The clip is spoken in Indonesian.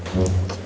aduh aduh aduh